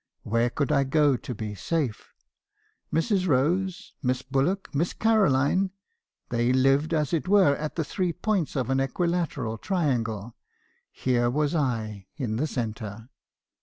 Where could I go to be safe? Mrs. Rose, Miss Bullock, Miss Caroline — they lived as it were at the three points of an equilateral triangle ; here was I in the centre.